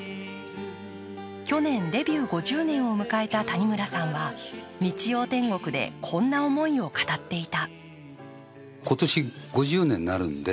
去年、デビュー５０年を迎えた谷村さんは「日曜天国」でこんな思いを語っていた。